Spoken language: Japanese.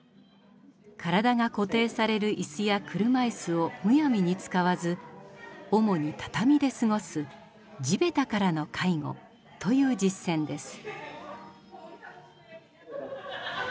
体が固定される椅子や車いすをむやみに使わず主に畳で過ごす「地べたからの介護」という実践です。